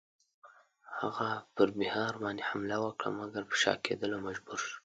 هغه پر بیهار باندی حمله وکړه مګر پر شا کېدلو مجبور شو.